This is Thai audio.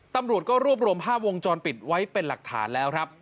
ตำรวจก็รวบรวมภาพวงจรปิดไว้เป็นหลักฐานแล้วครับ